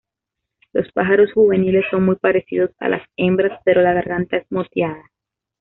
Los pájaros juveniles son muy parecidos a las hembras, pero la garganta es moteada.